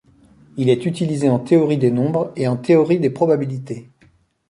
Il est utilisé en théorie des nombres et en théorie des probabilités.